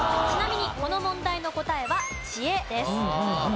ちなみにこの問題の答えは知恵です。